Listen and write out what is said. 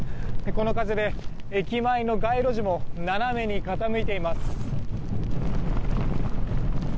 この風で駅前の街路樹も斜めに傾いています。